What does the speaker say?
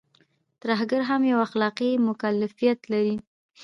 ترهګري هم يو اخلاقي مکلفيت لري.